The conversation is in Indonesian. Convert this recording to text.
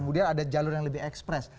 kemudian ada jalur yang lebih ekspres